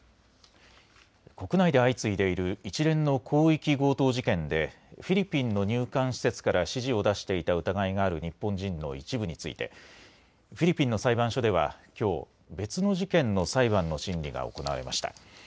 国内で相次いでいる一連の広域強盗事件でフィリピンの入管施設から指示を出していた疑いがある日本人の一部についてフィリピンの裁判所ではきょう別の事件の裁判の審理が行われました。